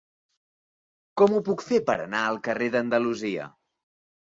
Com ho puc fer per anar al carrer d'Andalusia?